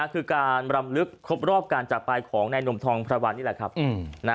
คือการบรรมลึกครบรอบการจับไปของนายหนุ่มทองไพรวัลนี่แหละ